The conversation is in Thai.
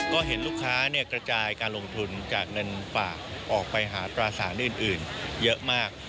ก็เห็นลูกค้ากระจายการลงทุนจากเงินฝากออกไปหาตราสารอื่นเยอะมาก